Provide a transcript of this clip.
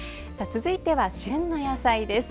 続いては、旬の野菜です。